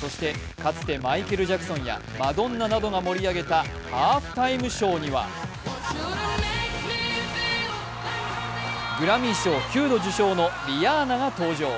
そして、かつてマイケル・ジャクソンやマドンナなどが盛り上げたハーフタイムショーにはグラミー賞９度受賞のリアーナが登場。